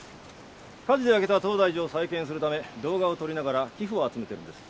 火事で焼けた東大寺を再建するため動画を撮りながら寄付を集めてるんです。